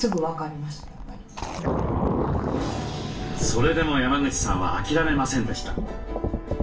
それでも山口さんは諦めませんでした。